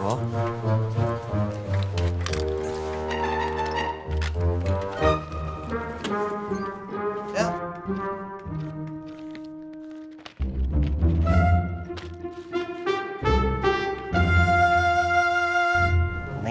kan ujungnya sama abang